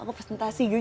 aku presentasi gitu